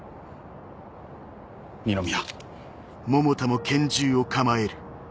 二宮。